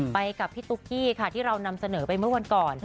ไปกับพี่ตุ๊กกี้ค่ะที่เรานำเสนอไปเมื่อวันก่อน